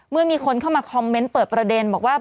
เมื่อมีคนเข้ามาคอมเมนต์เปิดประเด็นบอกว่า